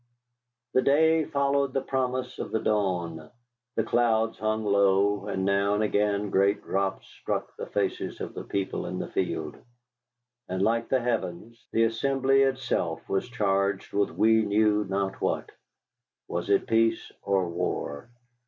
The day followed the promise of the dawn. The clouds hung low, and now and again great drops struck the faces of the people in the field. And like the heavens, the assembly itself was charged with we knew not what. Was it peace or war?